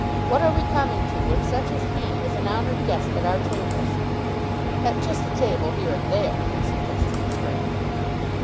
What are we coming to when such as he is an honoured guest at our tables?" "At just a table here and there," suggested his friend.